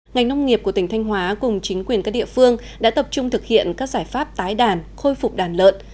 ngành nông nghiệp của tỉnh thanh hóa cùng chính quyền các địa phương đã tập trung thực hiện các giải pháp tái đàn khôi phục đàn lợn